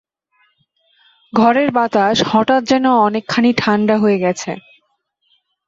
ঘরের বাতাস হঠাৎ যেন অনেকখানি ঠাণ্ডা হয়ে গেছে।